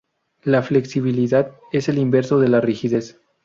La flexibilidad es el inverso de la rigidez.